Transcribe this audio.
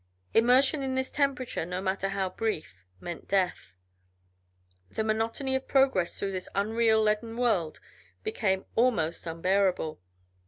Immersion in this temperature, no matter how brief, meant death. The monotony of progress through this unreal, leaden world became almost unbearable.